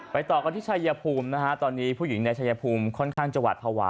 ไปต่อกันที่ชายพุมนะฮะตอนนี้ผู้อยู่ในชายพุมค่อนข้างจังหวัดเภาวะ